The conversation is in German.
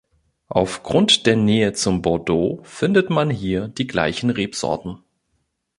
Aufgrund der Nähe zum Bordeaux findet man hier die gleichen Rebsorten.